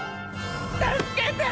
助けて！